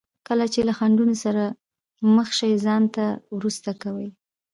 کله چې له خنډونو سره مخ شي ځان نه وروسته کوي.